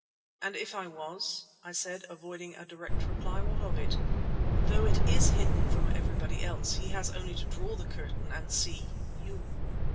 "And if I was," I said, avoiding a direct reply, "what of it? Though it is hidden from everybody else, he has only to draw the curtain and see—you."